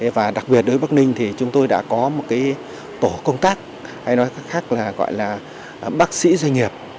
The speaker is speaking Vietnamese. và đặc biệt đối với bắc ninh thì chúng tôi đã có một tổ công tác hay nói cách khác là gọi là bác sĩ doanh nghiệp